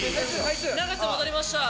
永瀬戻りました。